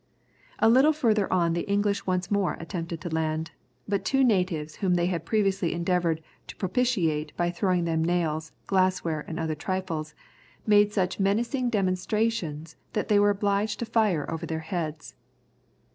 A little further on the English once more attempted to land. But two natives whom they had previously endeavoured to propitiate by throwing them nails, glassware, and other trifles, made such menacing demonstrations, that they were obliged to fire over their heads.